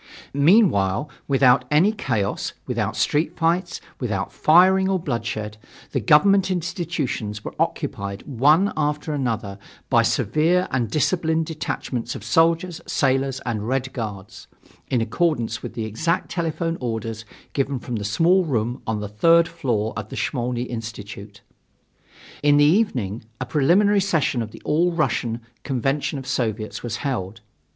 Meanwhile, without any chaos, without street fights, without firing or bloodshed, the government institutions were occupied one after another by severe and disciplined detachments of soldiers, sailors and Red Guards, in accordance with the exact telephone orders given from the small room on the third floor of the Smolny Institute. In the evening a preliminary session of the Second All Russian Convention of Soviets was held.